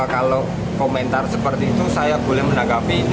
kalau komentar seperti itu saya boleh menanggapi ini